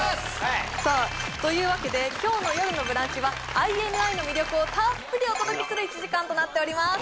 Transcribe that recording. さあというわけで今日の「よるのブランチ」はＩＮＩの魅力をたっぷりお届けする１時間となっております